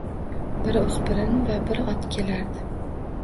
Bir o‘spirin va bir ot kelardi.